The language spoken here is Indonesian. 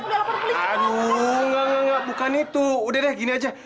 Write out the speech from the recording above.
aduh nggak nggak bukan itu udah deh gini aja